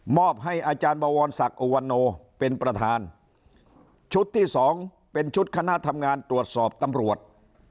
อบให้อาจารย์บวรศักดิ์อุวันโนเป็นประธานชุดที่สองเป็นชุดคณะทำงานตรวจสอบตำรวจ